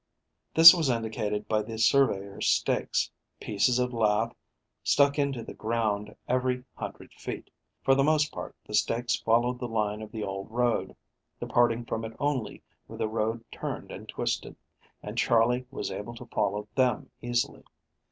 This was indicated by the surveyors' stakes, pieces of lath stuck into the ground every hundred feet. For the most part the stakes followed the line of the old road, departing from it only where the road turned and twisted, and Charley was able to follow them easily.